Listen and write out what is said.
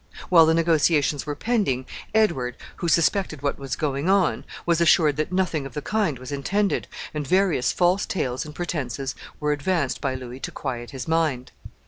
While the negotiations were pending, Edward, who suspected what was going on, was assured that nothing of the kind was intended, and various false tales and pretenses were advanced by Louis to quiet his mind.